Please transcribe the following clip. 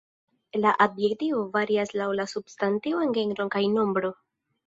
La adjektivo varias laŭ la substantivo en genro kaj nombro.